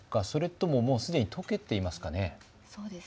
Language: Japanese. それとももうすでにとけていますかね。